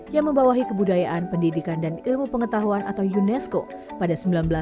yang membawahi kebudayaan pendidikan dan ilmu pengetahuan atau unesco pada seribu sembilan ratus delapan puluh